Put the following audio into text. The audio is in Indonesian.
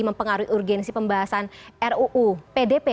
mempengaruhi urgensi pembahasan ruu pdp